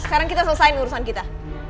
sekarang kita selesaikan urusan kita